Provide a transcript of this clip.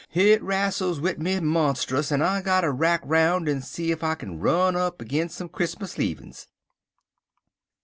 "Hit rastles wid me monstus, en I gotter rack 'roun' en see if I kin run up agin some Chris'mus leavin's."